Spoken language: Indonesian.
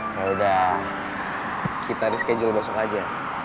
kalau udah kita reschedule besok aja